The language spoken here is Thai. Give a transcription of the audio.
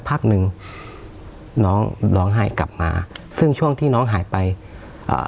พักหนึ่งน้องร้องไห้กลับมาซึ่งช่วงที่น้องหายไปอ่า